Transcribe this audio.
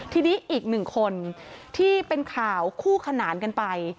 ทีนี้อีกหนึ่งคนที่เป็นข่าวคู่ขนานกันไป